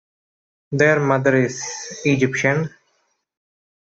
Their mother is Egyptian.